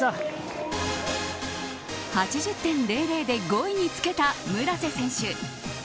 ８０．００で５位につけた村瀬選手。